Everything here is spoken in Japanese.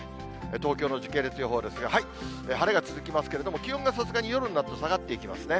東京の時系列予報ですが、晴れが続きますけれども、気温がさすがに夜になると下がっていきますね。